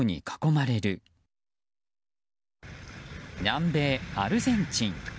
南米アルゼンチン。